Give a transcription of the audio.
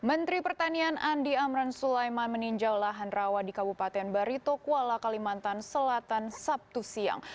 menteri pertanian andi amran sulaiman meninjau lahan rawa di kabupaten barito kuala kalimantan selatan sabtu siang